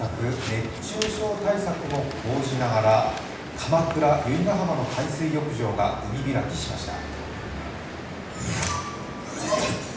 熱中症対策も講じながら鎌倉・由比ガ浜の海水浴場が海開きしました。